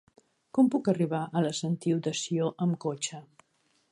Com puc arribar a la Sentiu de Sió amb cotxe?